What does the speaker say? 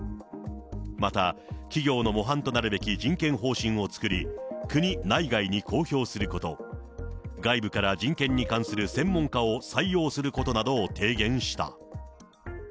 また、企業の模範となるべき人権方針を作り、国内外に公表すること、外部から人権に関する専門家を採用することなどを提言した。